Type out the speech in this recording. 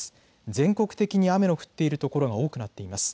全国的に雨の降っているところが多くなっています。